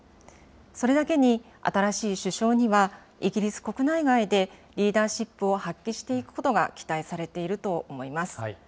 それだけに、新しい首相にはイギリス国内外でリーダーシップを発揮していくことが期待されていると思います。